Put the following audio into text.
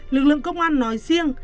lực lượng công an nói riêng